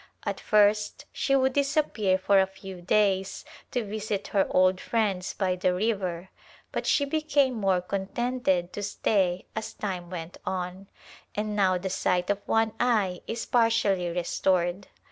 At first she would disappear for a few days to visit her old friends by the river, but she became more contented to stay as time went on and now the sight of one eye is partially restored.